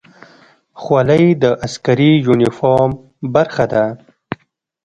خولۍ د عسکري یونیفورم برخه ده.